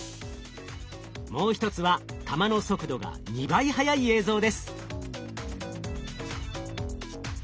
もう一つは球の速度が２倍速い映像です。